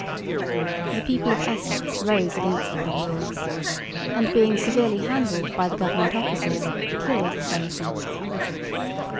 The people of Essex rose against the Poll tax, and being severely handled by the government officers, killed some of them.